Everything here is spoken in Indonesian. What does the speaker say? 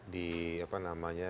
di apa namanya